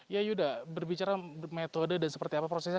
ya yuda berbicara metode dan seperti apa prosesnya